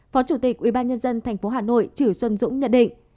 phó chủ tịch ubnd tp hà nội chử xuân dũng nhận định